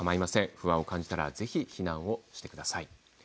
不安を感じたらぜひ避難をしてください。